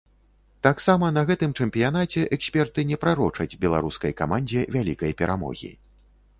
Таксама на гэтым чэмпіянаце эксперты не прарочаць беларускай камандзе вялікай перамогі.